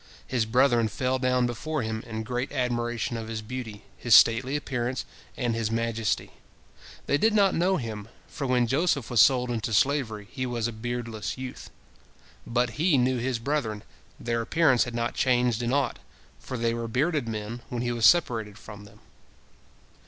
His brethren fell down before him in great admiration of his beauty, his stately appearance, and his majesty. They did not know him, for when Joseph was sold into slavery, he was a beardless youth. But he knew his brethren, their appearance had not changed in aught, for they were bearded men when he was separated from them.